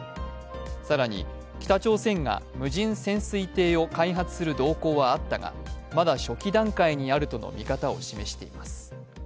更に、北朝鮮が無人潜水艇を開発する動向はあったがまだ初期段階にあるとの見方を示しています。